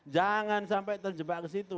jangan sampai terjebak ke situ